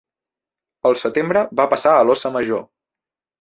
Al setembre va passar a l'Óssa Major.